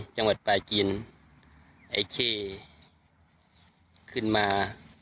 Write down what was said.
จังหวัดปลาจีนไอ้เข้ขึ้นมา